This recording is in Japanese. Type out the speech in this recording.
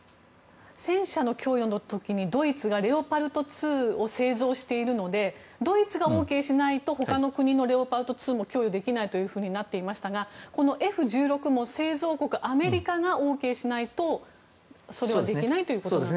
戦車の供与の時にドイツがレオパルト２を製造しているのでドイツがＯＫしないと他の国のレオパルト２も供与できないとなっていましたがＦ１６の製造国、アメリカがＯＫしないとそれはできないということですか？